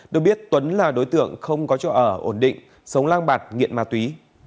được biết tuấn là đối tượng không có chỗ ở ổn định sống lang bạc nghiện ma túy